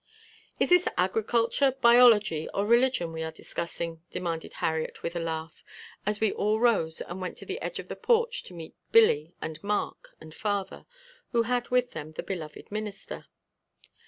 "Is this agriculture, biology or religion we are discussing?" demanded Harriet with a laugh as we all rose and went to the edge of the porch to meet Billy and Mark and father, who had with them the beloved "Minister."